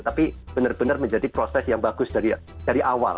tapi benar benar menjadi proses yang bagus dari awal